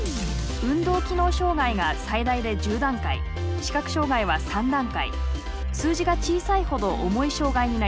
運動機能障害が最大で１０段階視覚障害は３段階数字が小さいほど重い障害になります。